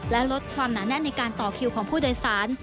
และลดความหนาแน่นในการต่อคิวของผู้โดยสาร